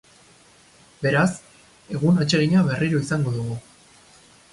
Beraz, egun atsegina berriro izango dugu.